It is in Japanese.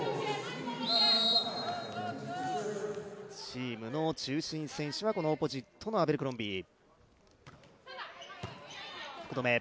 チームの中心選手はこのオポジットの、アベルクロンビー。